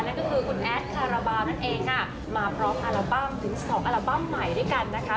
นั่นก็คือคุณแอดคาราบาลนั่นเองค่ะมาพร้อมอัลบั้มถึงสองอัลบั้มใหม่ด้วยกันนะคะ